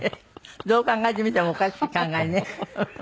どう考えてみてもおかしい考えね。